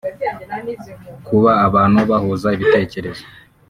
kuba abantu bahuza ibitekerezo